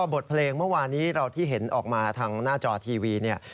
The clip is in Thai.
บทเพลงที่เห็นออกมาทางหน้าจอทีวี